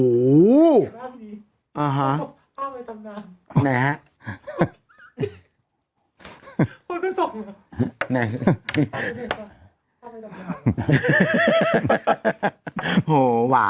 ฟื้ดใหม่แสมน้ำ